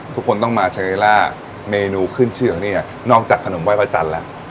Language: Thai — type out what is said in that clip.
ทุกคนต้องมาชัยล่าเมนูขึ้นชื่อเนี่ยนอกจากขนมไห้พระจันทร์แล้ว